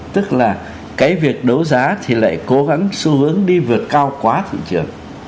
tức là cái việc đấu giá thì lại cố gắng xu hướng đi vượt cao quá thị trường